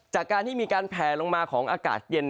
จากการที่มีการแผลลงมาของอากาศเย็น